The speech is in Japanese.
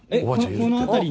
この辺りに？